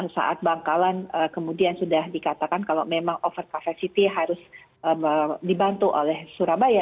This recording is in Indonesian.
saat bangkalan kemudian sudah dikatakan kalau memang over capacity harus dibantu oleh surabaya